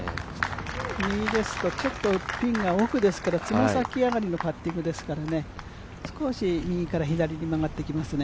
右ですとピンが奥ですから爪先上がりのパッティングですから少し右から左に曲がっていきますね。